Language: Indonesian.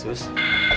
duduk di sini